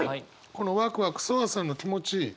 このワクワクソワソワの気持ち